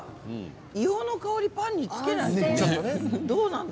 硫黄の香りはパンにつけないでしょう？